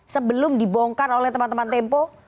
sebelum dibongkar oleh teman teman tempo